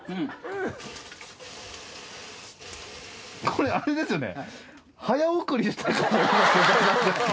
これあれですよね。